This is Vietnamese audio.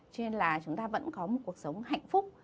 cho nên là chúng ta vẫn có một cuộc sống hạnh phúc